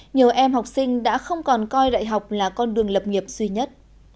nhiều em học sinh đã không còn coi đại học là con đường lập nghiệp duy nhất